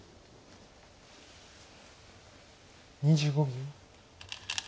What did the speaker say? ２５秒。